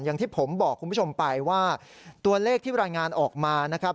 อย่างที่ผมบอกคุณผู้ชมไปว่าตัวเลขที่รายงานออกมานะครับ